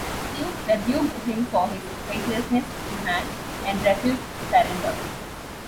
Su rebuked him for his faithlessness to Han and refused to surrender.